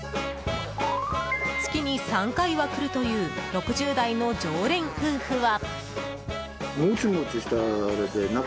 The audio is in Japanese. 月に３回は来るという６０代の常連夫婦は。